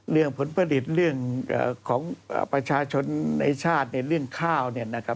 เรื่องผลผลิตเรื่องของประชาชนในชาติเรื่องข้าว